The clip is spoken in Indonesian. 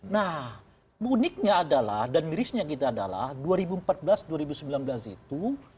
nah uniknya adalah dan mirisnya kita adalah dua ribu empat belas dua ribu sembilan belas itu